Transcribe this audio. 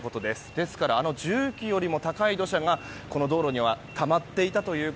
ですからあの重機よりも高い土砂がこの道路にはたまっていました。